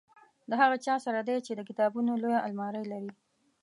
د هغه چا سره دی چې د کتابونو لویه المارۍ لري.